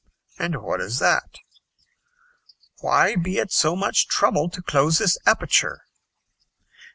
"And what is that?" "Why be at so much trouble to close this aperture?"